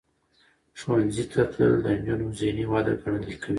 ښوونځي ته تلل د نجونو ذهنی وده ګړندۍ کوي.